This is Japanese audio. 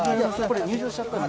これ、入場しちゃったので。